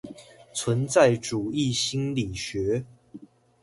存在主義心理學